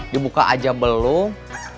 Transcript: dibuka aja belum